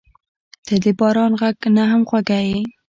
• ته د باران غږ نه هم خوږه یې.